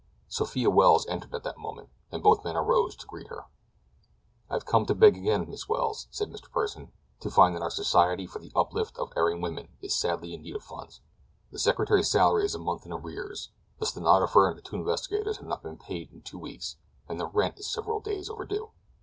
Sophia Welles entered at that moment, and both men arose to greet her. "I have come to beg again, Miss Welles," said Mr. Pursen. "I find that our Society for the Uplift of Erring Women is sadly in need of funds. The secretary's salary is a month in arrears; the stenographer and the two investigators have not been paid for two weeks, and the rent is several days overdue."